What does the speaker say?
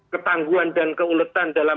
ketangguhan dan keuletan dalam